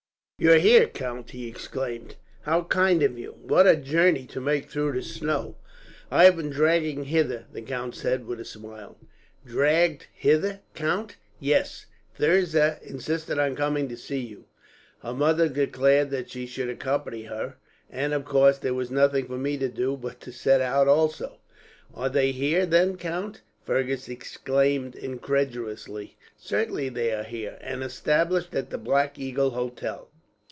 "You here, count!" he exclaimed. "How kind of you! What a journey to make through the snow!" "I have been dragged hither," the count said, with a smile. "Dragged hither, count?" "Yes. Thirza insisted on coming to see you. Her mother declared that she should accompany her, and of course there was nothing for me to do but to set out, also." "Are they here, then, count?" Fergus exclaimed incredulously. "Certainly they are, and established at the Black Eagle Hotel.